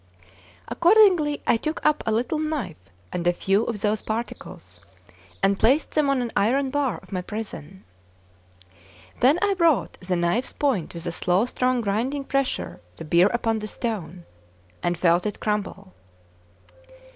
Accordingly, I took up a little knife and a few of those particles, and placed them on an iron bar of my prison. Then I brought the knife's point with a slow strong grinding pressure to bear upon the stone, and felt it crumble.